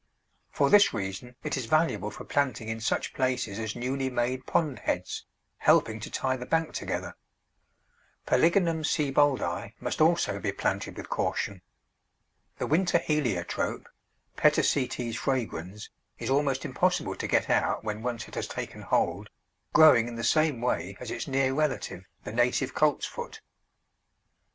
For this reason it is valuable for planting in such places as newly made pond heads, helping to tie the bank together. Polygonum Sieboldi must also be planted with caution. The winter Heliotrope (Petasites fragrans) is almost impossible to get out when once it has taken hold, growing in the same way as its near relative the native Coltsfoot.